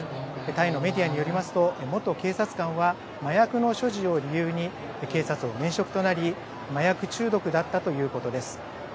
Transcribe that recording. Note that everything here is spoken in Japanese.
タイのメディアによりますと、元警察官は麻薬の所持を理由に、警察を免職となり、麻薬中毒だったということです。